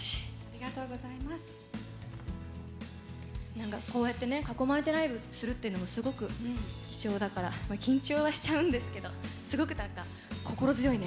何かこうやってね囲まれてライブするっていうのもすごく貴重だから緊張はしちゃうんですけどすごく何か心強いね。